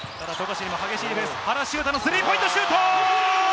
原修太のスリーポイントシュート！